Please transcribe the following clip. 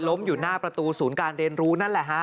อยู่หน้าประตูศูนย์การเรียนรู้นั่นแหละฮะ